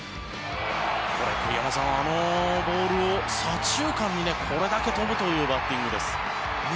これ、栗山さんあのボールを左中間にこれだけ飛ぶというバッティングです。